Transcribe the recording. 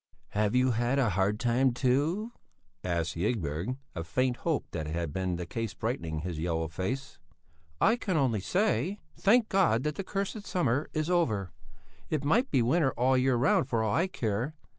"Have you had a hard time, too?" asked Ygberg, a faint hope that it had been the case brightening his yellow face. "I can only say: Thank God that the cursed summer is over! It might be winter all the year round for all I care!